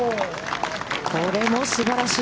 これもすばらしい。